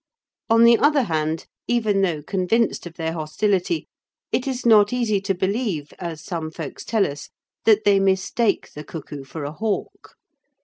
On the other hand, even though convinced of their hostility, it is not easy to believe, as some folks tell us, that they mistake the cuckoo for a hawk.